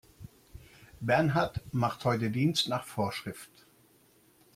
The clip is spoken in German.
Bernhard macht heute Dienst nach Vorschrift.